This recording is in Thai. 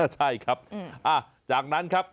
ใช่ครับจากนั้นครับ